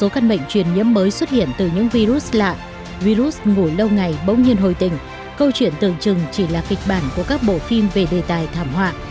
câu chuyện tượng trừng chỉ là kịch bản của các bộ phim về đề tài thảm họa